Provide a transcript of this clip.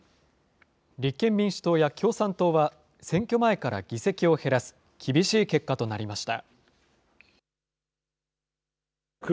立憲民主党や共産党は、選挙前から議席を減らす厳しい結果となりました。